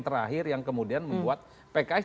terakhir yang kemudian membuat pks